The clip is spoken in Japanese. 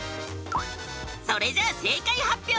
それじゃあ正解発表！